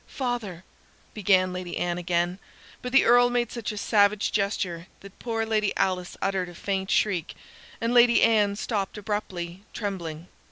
"Father," began Lady Anne again; but the Earl made such a savage gesture that poor Lady Alice uttered a faint shriek, and Lady Anne stopped abruptly, trembling.